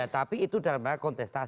tapi itu dalam hal kontestasi